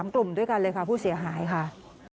กลุ่มด้วยกันเลยค่ะผู้เสียหายค่ะ